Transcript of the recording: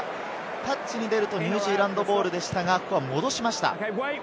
タッチに出るとニュージーランドボールですが、戻しました。